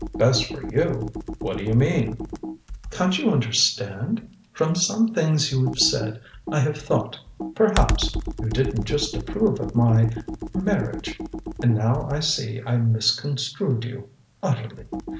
"Best for you? What do you mean?" "Can't you understand? From some things you've said I have thought perhaps you didn't just approve of my marriage. And now I see I misconstrued you utterly.